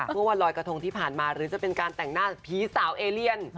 เมื่อวันลอยกระทงที่ผ่านมาหรือจะเป็นการแต่งหน้าผีสาวเอเลียน